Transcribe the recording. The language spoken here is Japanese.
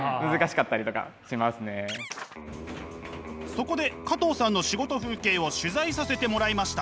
そこで加藤さんの仕事風景を取材させてもらいました。